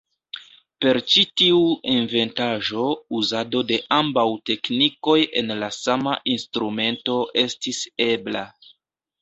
Per ĉi tiu inventaĵo uzado de ambaŭ teknikoj en la sama instrumento estis ebla.